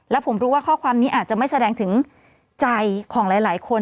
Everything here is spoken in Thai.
และผมรู้ว่าข้อความนี้อาจจะไม่แสดงถึงใจของหลายคน